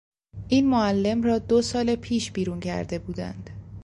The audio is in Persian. این معلم را دو سال پیش بیرون کرده بودند.